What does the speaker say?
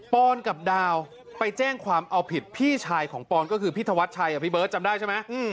อนกับดาวไปแจ้งความเอาผิดพี่ชายของปอนก็คือพี่ธวัชชัยพี่เบิร์ตจำได้ใช่ไหม